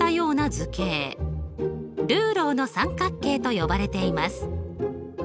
ルーローの三角形と呼ばれています。